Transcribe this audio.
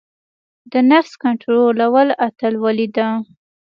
د نفس کنټرول اتلولۍ ده.